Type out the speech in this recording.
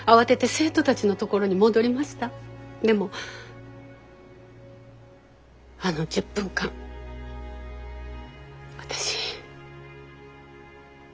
でもあの１０分間私。